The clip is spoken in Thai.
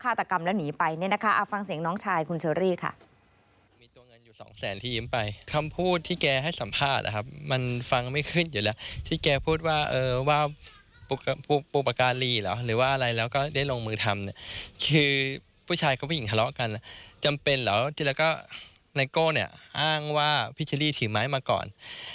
อันนี้อาจจะเป็นเรื่องที่ทำให้เกิดการทะเลาะกัน